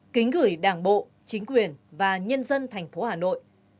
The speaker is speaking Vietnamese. kính gửi đảng bộ chính quyền và nhân dân tp hà nội